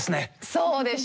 そうでしょ？